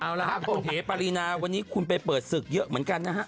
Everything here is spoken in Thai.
เอาละครับคุณเอ๋ปารีนาวันนี้คุณไปเปิดศึกเยอะเหมือนกันนะฮะ